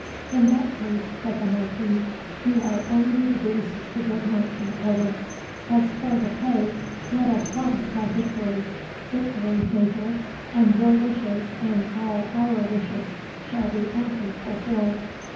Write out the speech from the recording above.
"In that case," said the Marquis, "you are only reduced to good marching order. As for the pay, let us once have victory victory, Major, and your wishes, and all our wishes, shall be amply fulfilled.